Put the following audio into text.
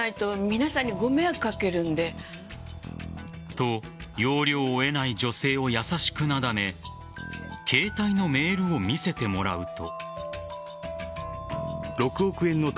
と、要領を得ない女性を優しくなだめ携帯のメールを見せてもらうと。